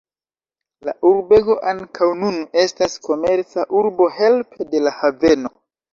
La urbego ankaŭ nun estas komerca urbo helpe de la haveno.